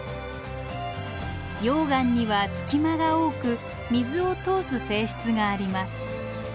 溶岩には隙間が多く水を通す性質があります。